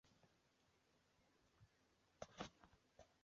克服了做醛的交叉羟醛反应时醛的自身缩合问题。